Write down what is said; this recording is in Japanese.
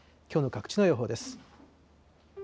きょうの各地の予報です。